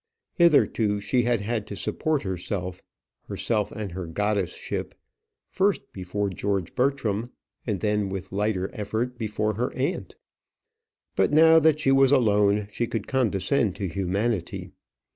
Hitherto she had had to support herself herself and her goddess ship, first before George Bertram, and then with lighter effort before her aunt. But now that she was alone, she could descend to humanity.